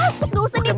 siapa yang senyum